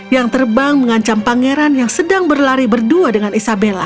yang terbang mengancam pangeran yang sedang berlari berdua dengan isabella